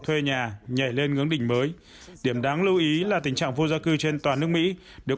thuê nhà nhảy lên ngưỡng đỉnh mới điểm đáng lưu ý là tình trạng vô gia cư trên toàn nước mỹ được